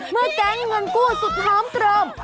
เมื่อแก๊งเหงื่อนกลัวสุดท้อมเติม